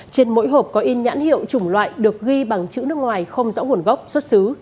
trên mỗi hộp có in nhãn hiệu chủng loại được ghi bằng chữ nước ngoài không rõ nguồn gốc xuất xứ